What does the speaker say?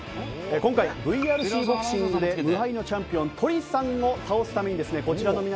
今回ＶＲＣボクシングで無敗のチャンピオンとりさんを倒すためにですね。